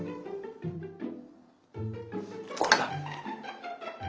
これだ。